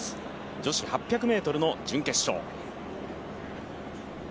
女子８００ｍの準決勝。